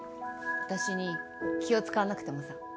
私に気を使わなくてもさ。